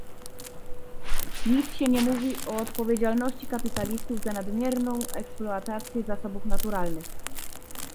Nic się nie mówi o odpowiedzialności kapitalistów za nadmierną eksploatację zasobów naturalnych